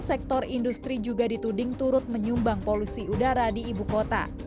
sektor industri juga dituding turut menyumbang polusi udara di ibu kota